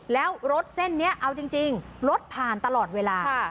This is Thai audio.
แล้วรถเส้นนี้เอาจริงรถผ่านตลอดเวลา